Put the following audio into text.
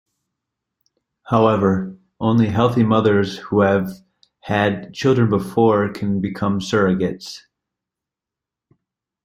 However, only healthy mothers who have had children before can become surrogates.